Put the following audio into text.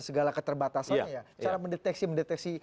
segala keterbatasannya ya cara mendeteksi mendeteksi